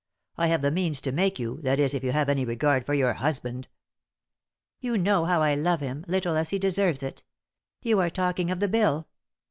I have the means to make you, that is if you have any regard for your husband." "You know how I love him, little as he deserves it. You are talking of the bill.